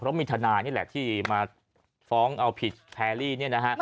เพราะมีทนายนี่แหละที่มาฟ้องเอาผิดแพรรี่เนี่ยนะฮะ